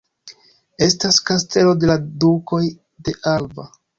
Estas Kastelo de la Dukoj de Alba.